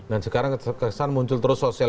dan sekarang kesan muncul terus sosial